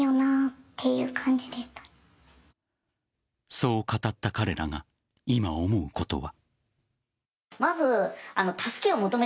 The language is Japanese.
そう語った彼らが今、思うことは。